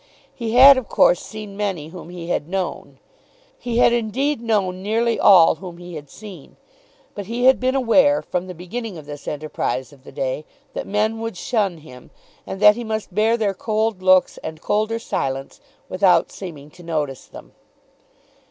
He had of course seen many whom he had known. He had indeed known nearly all whom he had seen; but he had been aware, from the beginning of this enterprise of the day, that men would shun him, and that he must bear their cold looks and colder silence without seeming to notice them.